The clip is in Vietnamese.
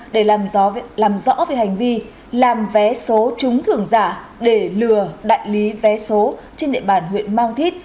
để làm rõ về hành vi làm vé số trúng thưởng giả để lừa đại lý vé số trên địa bàn huyện mang thít